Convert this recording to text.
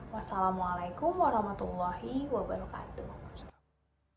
wassalamualaikum warahmatullahi wabarakatuh